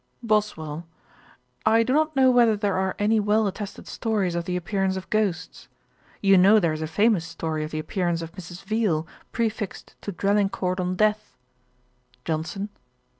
BOSWELL. 'I do not know whether there are any well attested stories of the appearance of ghosts. You know there is a famous story of the appearance of Mrs. Veal, prefixed to Drelincourt on Death.' JOHNSON.